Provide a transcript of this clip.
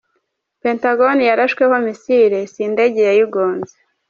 Pentagon yarashweho Missile si indege yayigonze.